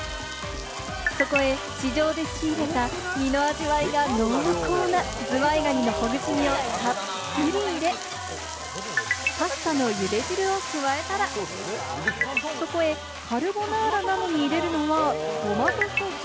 そこへ市場で仕入れた身の味わいが濃厚なズワイガニのほぐし身をたっぷり入れ、パスタの茹でじるを加えたら、そこへカルボナーラなのに入れるのはトマトソース。